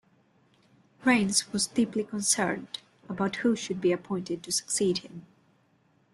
Raynes was deeply concerned about who should be appointed to succeed him.